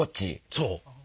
そう。